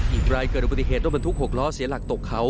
อีกรายเกิดอุบัติเหตุรถบรรทุก๖ล้อเสียหลักตกเขา